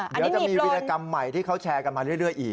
เดี๋ยวจะมีวิรากรรมใหม่ที่เขาแชร์กันมาเรื่อยอีก